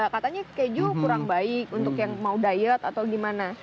katanya keju kurang baik untuk yang mau diet atau gimana